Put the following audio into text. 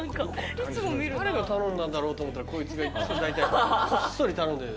誰が頼んだんだろうって思ったらこいつがいつもだいたいこっそり頼んでる。